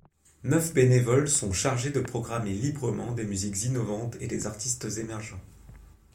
Neuf bénévoles sont chargés de programmer librement des musiques innovantes et des artistes émergents.